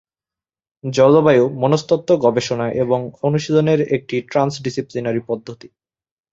জলবায়ু মনস্তত্ত্ব গবেষণা এবং অনুশীলনের একটি ট্রান্স-ডিসিপ্লিনারি পদ্ধতি।